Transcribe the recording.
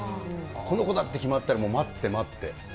この子だって決まったら、もう待って待って。